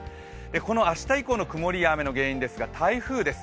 この明日以降の曇りや雨の原因ですが台風です。